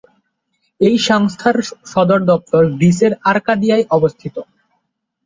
এই সংস্থার সদর দপ্তর গ্রিসের আরকাদিয়ায় অবস্থিত।